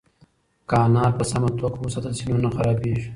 که انار په سمه توګه وساتل شي نو نه خرابیږي.